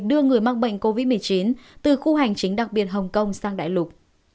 đưa người mắc bệnh covid một mươi chín từ khu hành chính đặc biệt hồng kông sang đại lục